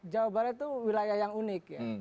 jawa barat itu wilayah yang unik ya